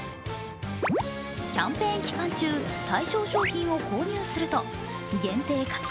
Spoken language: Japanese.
キャンペーン期間中、対象商品を購入すると限定描き